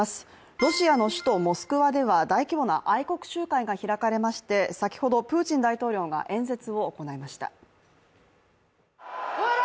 ロシアの首都モスクワでは大規模な愛国集会が開かれまして先ほどプーチン大統領が演説を行いました。